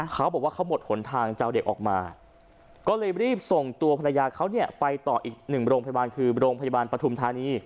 เขาบอกว่าเขาหมดหนทางจะเอาเด็กออกมาก็เลยรีบส่งตัวภรรยาเขาเนี่ยไปต่ออีกหนึ่งโรงพยาบาลคือโรงพยาบาลปฐุมธานี